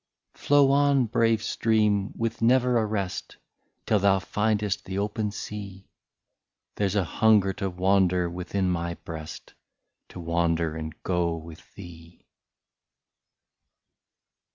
" Flow on, brave stream, with never a rest, Till thou findest the open sea ; There 's a hunger to wander, within my breast. To wander and go with thee.